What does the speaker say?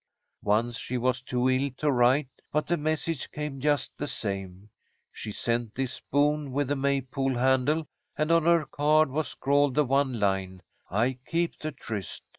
"Once she was too ill to write, but the message came just the same. She sent this spoon with the May pole handle, and on her card was scrawled the one line, 'I keep the tryst.'